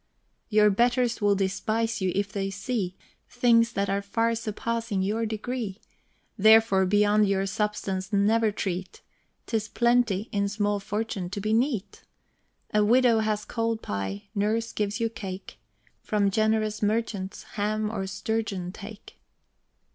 Your betters will despise you, if they see Things that are far surpassing your degree; Therefore beyond your substance never treat; 'Tis plenty, in small fortune, to be neat; A widow has cold pie, nurse gives you cake, From generous merchants ham or sturgeon take.